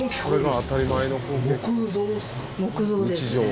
木造ですね。